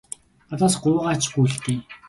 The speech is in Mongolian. Надаас гуйгаа ч үгүй л дээ.